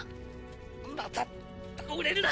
まだ倒れるな。